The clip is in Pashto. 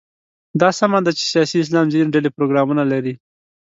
دا سمه ده چې سیاسي اسلام ځینې ډلې پروګرامونه لري.